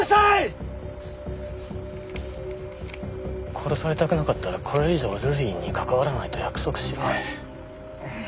殺されたくなかったらこれ以上ルリリンに関わらないと約束しろ。